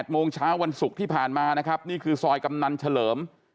ตอนโรงช้าวันศุกร์ที่ผ่านมานี่คือซอยกำนันเฉลิม